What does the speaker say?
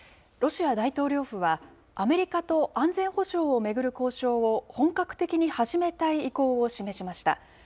ロシア大統領府は、アメリカと安全保障を巡る交渉を、本格的に始めたい意向を示しました。